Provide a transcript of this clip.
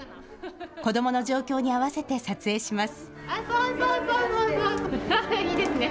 子どもの状況に合わせて撮影します。